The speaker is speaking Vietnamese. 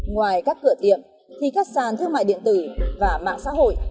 ngoài các cửa tiệm thì các sàn thương mại điện tử và mạng xã hội